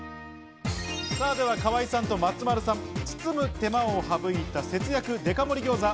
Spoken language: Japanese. では河合さんと松丸さん、包む手間を省いた節約デカ盛り餃子。